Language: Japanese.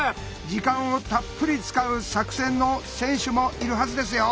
時間をたっぷり使う作戦の選手もいるはずですよ。